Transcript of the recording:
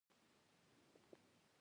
د سالنګ تونل هوا ولې ککړه ده؟